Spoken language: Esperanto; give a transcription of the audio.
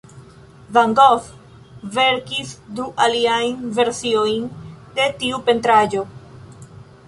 Van Gogh verkis du aliajn versiojn de tiu pentraĵo.